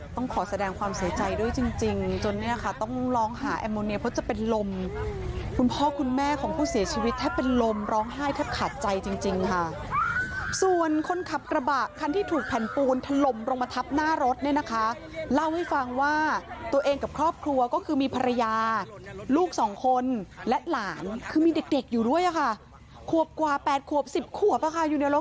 ต้องขอแสดงความเสียใจด้วยจริงจริงจนเนี่ยค่ะต้องลองหาแอมโมเนียเพราะจะเป็นลมคุณพ่อคุณแม่ของผู้เสียชีวิตแทบเป็นลมร้องไห้แทบขาดใจจริงจริงค่ะส่วนคนขับกระบะคันที่ถูกแผ่นปูนทะลมลงมาทับหน้ารถเนี่ยนะคะเล่าให้ฟังว่าตัวเองกับครอบครัวก็คือมีภรรยาลูกสองคนและหลานคือมีเด็ก